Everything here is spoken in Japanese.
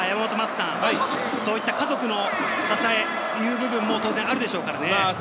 家族の支え、という部分も当然あるでしょうからね。